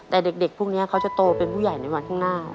แต่เด็กพวกนี้เขาจะโตเป็นผู้ใหญ่ในวันข้างหน้า